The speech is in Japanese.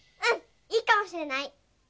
いいかもしれない！